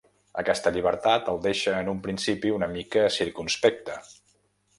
Aquesta llibertat el deixa en un principi una mica circumspecte.